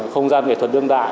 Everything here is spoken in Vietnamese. không gian nghệ thuật đương đại